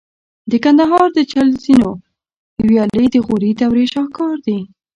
د کندهار د چل زینو ویالې د غوري دورې شاهکار دي